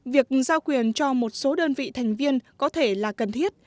việc giao quyền cho một số đơn vị thành viên có thể là cần thiết